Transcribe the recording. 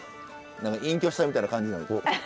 何か隠居したみたいな感じになる。